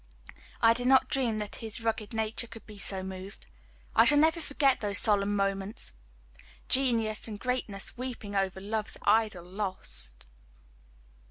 I did not dream that his rugged nature could be so moved. I shall never forget those solemn moments genius and greatness weeping over love's idol lost.